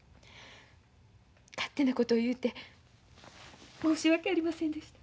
勝手なことを言うて申し訳ありませんでした。